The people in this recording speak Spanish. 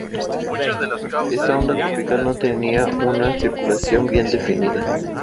Esta onda tropical no tenía una circulación bien definida.